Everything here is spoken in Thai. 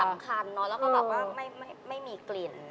แล้วก็แบบว่าไม่มีกลิ่น